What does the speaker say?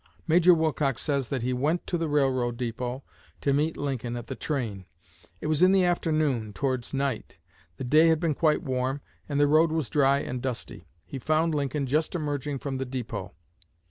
Major Wilcox says that he went to the railroad depot to meet Lincoln at the train. It was in the afternoon, towards night. The day had been quite warm, and the road was dry and dusty. He found Lincoln just emerging from the depot.